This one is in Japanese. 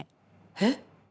えっ？